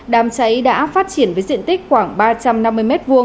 đám cháy đã phát triển với diện tích khoảng ba trăm năm mươi m hai